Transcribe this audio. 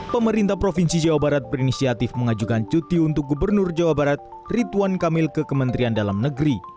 pemerintah provinsi jawa barat berinisiatif mengajukan cuti untuk gubernur jawa barat ritwan kamil ke kementerian dalam negeri